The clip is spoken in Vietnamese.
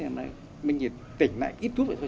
mình tỉnh lại ít chút rồi